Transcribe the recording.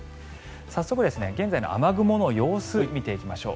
早速、現在の雨雲の様子を見ていきましょう。